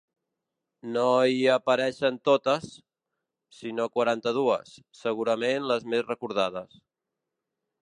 No hi apareixen totes, sinó quaranta-dues, segurament les més recordades.